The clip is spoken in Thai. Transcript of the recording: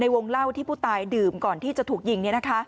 ในวงเล่าที่ผู้ตายดื่มก่อนที่จะถูกยิงนี้นะครับ